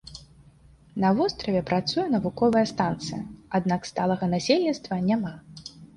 На востраве працуе навуковая станцыя, аднак сталага насельніцтва няма.